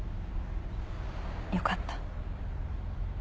よかった。